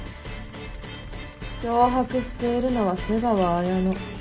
脅迫しているのは瀬川綾乃。